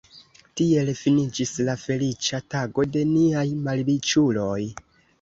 Tiel finiĝis la feliĉa tago de niaj malriĉuloj.